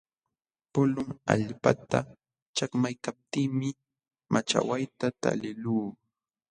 Pulun allpata chakmaykaptiimi machawayta taliqluu.